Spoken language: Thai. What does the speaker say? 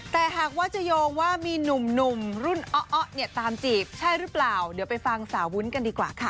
แต่หากว่าจะโยงว่ามีหนุ่มรุ่นอ๊ะเนี่ยตามจีบใช่หรือเปล่าเดี๋ยวไปฟังสาววุ้นกันดีกว่าค่ะ